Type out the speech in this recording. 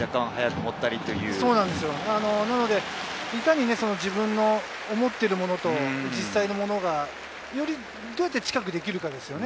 いかに自分の持ってるものと実際のものがどうやって近くできるかですよね。